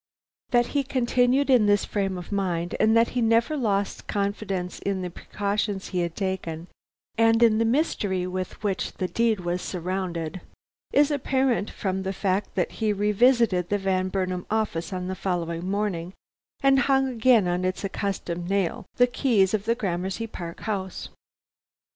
"That he continued in this frame of mind, and that he never lost confidence in the precautions he had taken and in the mystery with which the deed was surrounded, is apparent from the fact that he revisited the Van Burnam office on the following morning, and hung again on its accustomed nail the keys of the Gramercy Park house.